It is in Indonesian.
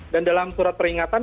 dan dalam surat peringatan